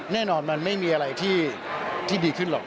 แน่นอนมันไม่มีอะไรที่ดีขึ้นหรอก